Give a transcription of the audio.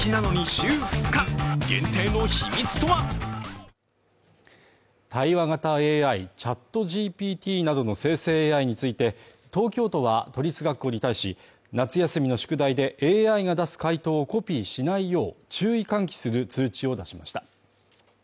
ニトリ対話型ＡＩＣｈａｔＧＰＴなどの生成ＡＩについて東京都は都立学校に対し、夏休みの宿題でＡＩが出す回答をコピーしないよう注意喚起する通知を出しました。